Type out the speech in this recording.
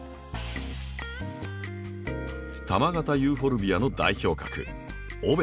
球形ユーフォルビアの代表格